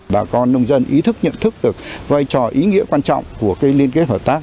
bà con nông dân ý thức nhận thức được vai trò ý nghĩa quan trọng của liên kết hợp tác